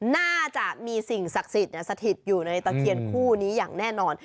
น่าจะมีสิ่งศักดิ์สิทธิ์สถิตอยู่ในตะเคียนคู่นี้อย่างแน่นอน